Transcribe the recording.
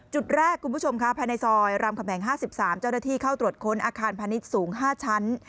จุดแรกคุณผู้ชมค่ะภายในซอยรามคำแหง๕๓เจ้าหน้าที่เข้าตรวจค้นอาคารพาณิชย์สูง๕ชั้น